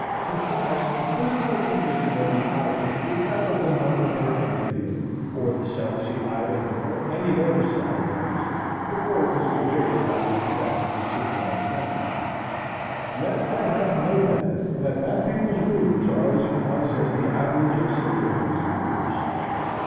Contrast the physical condition of the Irish with that of the North American Indian, or the South Sea Islander, or any other savage race before it was degraded by contact with the civilized man. Yet I have no doubt that that people's rulers are as wise as the average of civilized rulers.